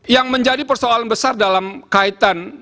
yang menjadi persoalan besar dalam kaitan